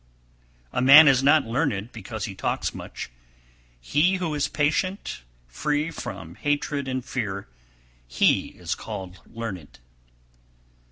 258. A man is not learned because he talks much; he who is patient, free from hatred and fear, he is called learned.